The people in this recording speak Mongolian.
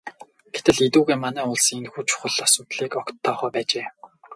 Гэтэл эдүгээ манай улс энэхүү чухал асуудлыг огт тоохоо байжээ.